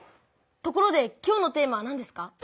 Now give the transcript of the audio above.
ところで今日のテーマはなんですか？